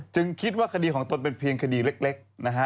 คิดว่าคดีของตนเป็นเพียงคดีเล็กนะฮะ